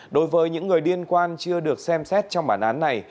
đối với những người liên quan chưa được xem xét trong bản án này